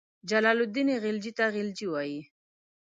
جلال الدین خلجي ته غلجي وایي.